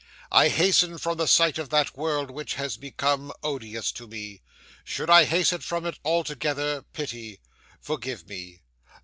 I hasten from the sight of that world, which has become odious to me. Should I hasten from it altogether, pity forgive me.